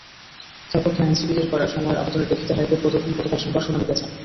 তাঁর পক্ষে আইনজীবীদের করা সময়ের আবেদনের পরিপ্রেক্ষিতে হাইকোর্ট গতকাল সোমবার শুনানি পেছান।